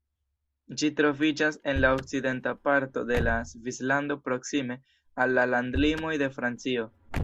Ĝi troviĝas en la okcidenta parto de Svislando proksime al la landlimoj de Francio.